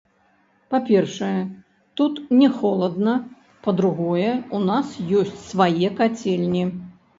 Па-першае, тут не холадна, па-другое, у нас ёсць свае кацельні.